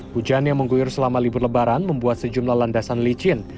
hujan yang mengguyur selama libur lebaran membuat sejumlah landasan licin